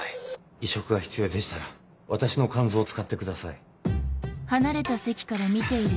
移植が必要でしたら私の肝臓を使ってください。